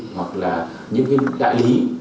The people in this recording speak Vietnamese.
hoặc là những đại lý